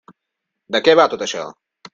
De què va tot això?